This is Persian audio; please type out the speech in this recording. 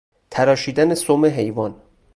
تراشیدن سم حیوان